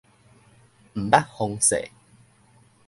毋捌風勢